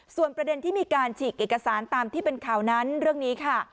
ส่วนประเด็นที่มีการฉีกเอกสารตามที่เป็นข่าวนั้นเรื่องนี้ค่ะ